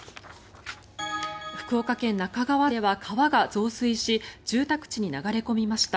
福岡県那珂川市では川が増水し住宅地に流れ込みました。